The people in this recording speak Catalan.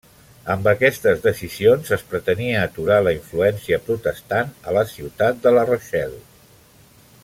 Amb aquestes decisions es pretenia aturar la influència protestant a la ciutat de La Rochelle.